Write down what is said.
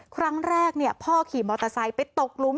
ครั้งแรกพ่อขี่มอเตอร์ไซค์ไปตกหลุม